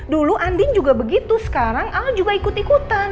dulu andin juga begitu sekarang al juga ikut ikutan